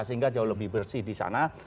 sehingga jauh lebih bersih di sana